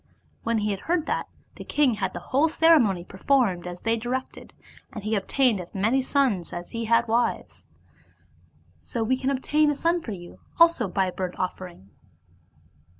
When he heard that, the king had the whole ceremony performed as they directed; and he obtained as many sons as he had wives. So we can obtain a son for you also by a burnt offering."